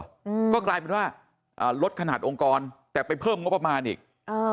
อืมก็กลายเป็นว่าอ่าลดขนาดองค์กรแต่ไปเพิ่มงบประมาณอีกเออ